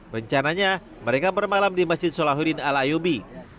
rencananya mereka bermalam di masjid solahuddin al ayubi